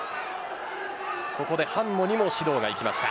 ここでハンモにも指導がいきました。